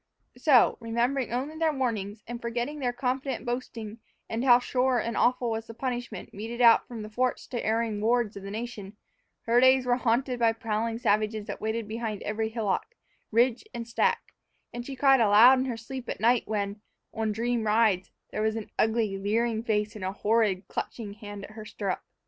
So, remembering only their warnings and forgetting their confident boasting and how sure and awful was the punishment meted out from the forts to erring wards of the nation, her days were haunted by prowling savages that waited behind every hillock, ridge, and stack; and she cried aloud in her sleep at night when, on dream rides, there was ever an ugly, leering face and a horrid, clutching hand at her stirrup.